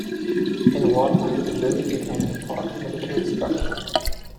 In wartime, the building became an important military structure.